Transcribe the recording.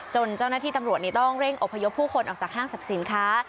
เจ้าหน้าที่ตำรวจต้องเร่งอพยพผู้คนออกจากห้างสรรพสินค้า